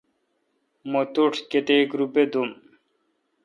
مہ توٹھ کیتیک روپہ دوم۔